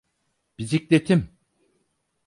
Bisikletim!